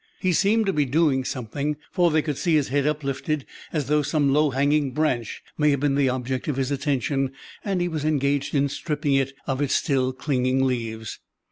He seemed to be doing something, for they could see his head uplifted, as though some low hanging branch may have been the object of his attention, and he was engaged in stripping it of its still clinging leaves.